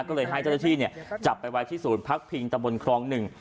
ก็เลยให้เจ้าที่เนี้ยจับไปไว้ที่ภาคพิงตะบลครองหนึ่ง